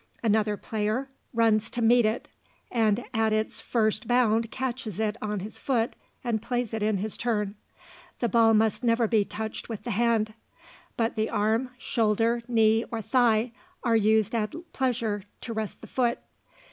Another player runs to meet it, and at its first bound catches it on his foot and plays in his turn. The ball must never be touched with the hand; but the arm, shoulder, knee, or thigh are used at pleasure to rest the foot.